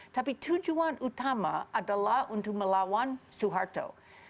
tapi tujuan utama adalah untuk melawan soeharto